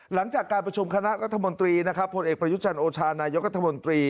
หลังจากการประชุมคณะรัฐมนตรีนะครับผลเอกประยุจันทร์โอชานายกรัฐมนตรี